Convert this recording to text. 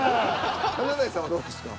華大さんはどうですか？